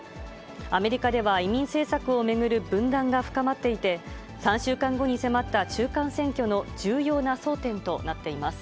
アメリカでは移民政策を巡る分断が深まっていて、３週間後に迫った中間選挙の重要な争点となっています。